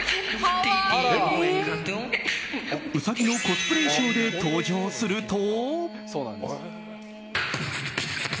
ウサギのコスプレ衣装で登場すると。